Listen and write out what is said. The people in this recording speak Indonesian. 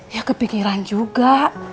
ya kepikiran juga